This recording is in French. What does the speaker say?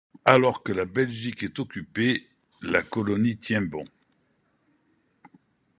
Alors que la Belgique est occupée, la colonie tient bon.